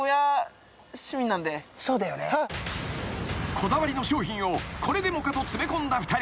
［こだわりの商品をこれでもかと詰め込んだ２人］